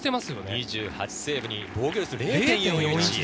２８セーブに防御率０．４１。